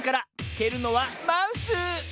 けるのはマウス！